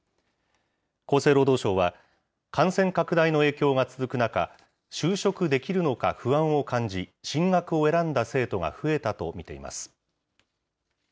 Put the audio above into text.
厚生労働省は、感染拡大の影響が続く中、就職できるのか不安を感じ、進学を選んだ生徒が増えたと見ています。